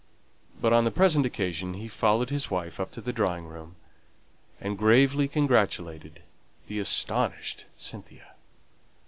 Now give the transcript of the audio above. But on the present occasion he followed his wife up to the drawing room, and gravely congratulated the astonished Cynthia.